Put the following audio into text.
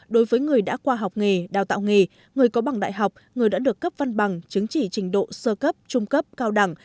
đối với người đã qua học nghề đào tạo nghề người có bằng đại học người đã được cấp văn bằng chứng chỉ trình độ sơ cấp trung cấp cao đẳng